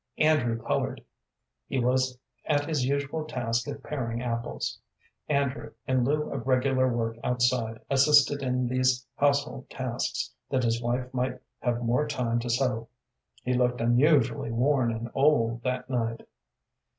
Andrew colored. He was at his usual task of paring apples. Andrew, in lieu of regular work outside, assisted in these household tasks, that his wife might have more time to sew. He looked unusually worn and old that night.